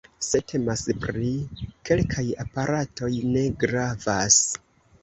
Se temas pri kelkaj aparatoj, ne gravas.